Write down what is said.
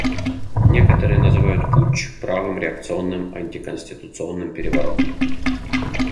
Некоторые называют путч правым реакционным антиконституционным переворотом.